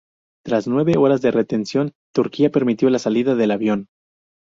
Tras nueve horas de retención, Turquía permitió la salida del avión.